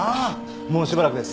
もうしばらくです。